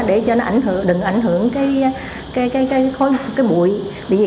để cho nó đừng ảnh hưởng cái bụi